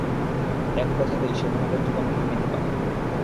এক কথাতেই, সে তোমাদের জীবন কেড়ে নিতে পারে।